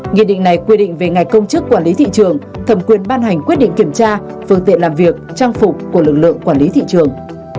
nghị định này quy định về ngày công chức quản lý thị trường thẩm quyền ban hành quyết định kiểm tra phương tiện làm việc trang phục của lực lượng quản lý thị trường